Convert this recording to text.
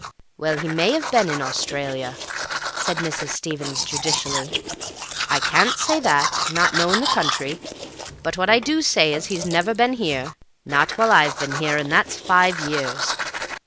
"Well, he may have been in Australia," said Mrs. Stevens, judicially; "I can't say for that, not knowing the country; but what I do say is he's never been here. Not while I've been here, and that's five years."